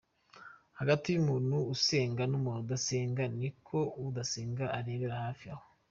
hagati y'Umuntu usenga n'umuntu udasenga ni uko udasenga arebera hafi aho.